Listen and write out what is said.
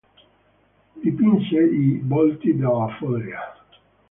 Dipinse i "Volti della follia".